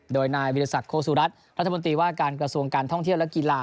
โดยนายวิทยาศักดิโคสุรัตน์รัฐมนตรีว่าการกระทรวงการท่องเที่ยวและกีฬา